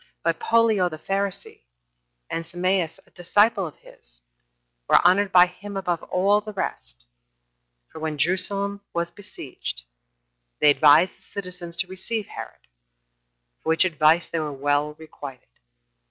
But Pollio the Pharisee, and Sameas, a disciple of his, were honored by him above all the rest; for when Jerusalem was besieged, they advised the citizens to receive Herod, for which advice they were well requited.